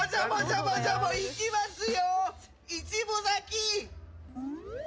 ぼ、いきますよ。